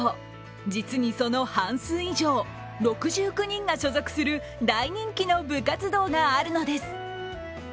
実にその半数以上、６９人が所属する大人気の部活動があるのです。